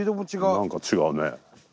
何か違うね。